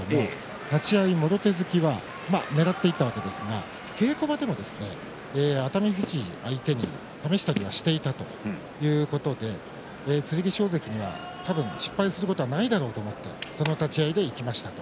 立ち合いもろ手突きはねらっていったわけですが稽古場でも熱海富士の相手に試したりしていたということで剣翔関には多分失敗することはないだろうとその立ち合いでいきました。